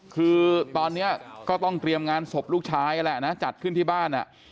คือตอนนี้ก็ต้องเตรียมงานศพลูกชายนั่นแหละนะจัดขึ้นที่บ้าน